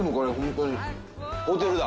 ホテルだ。